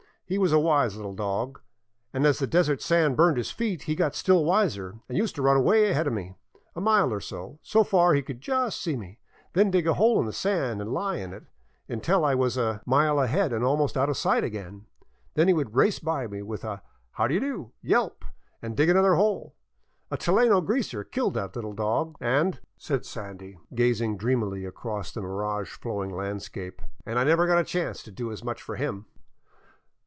He was a wise little dog, and as the desert sand burned his feet he got still wiser, and used to run way ahead of me, a mile or so, so far he could just see me, and then dig a hole in the sand and lie in it until I was a 515 VAGABONDING DOWN THE ANDES mile ahead and almost out of sight again; and then he would race by me with a ' how d' do ' yelp and dig another hole. A chileno greaser killed that little dog," said " Sandy," gazing dreamily across the mirage flowing landscape, and I never got a chance to do as much for him."